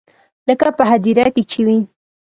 لکه په هديره کښې چې وي.